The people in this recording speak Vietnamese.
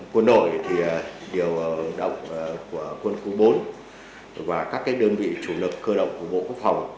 quân đội điều động của quân khu bốn và các đơn vị chủ lực cơ động của bộ quốc phòng